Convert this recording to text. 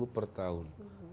lima ratus per tahun